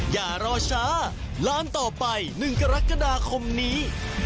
อย่ารอช้าร้านต่อไป๑กรกฎาคมนี้